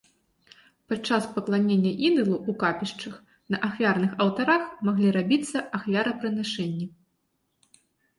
Падчас пакланення ідалу у капішчах, на ахвярных алтарах маглі рабіцца ахвярапрынашэнні.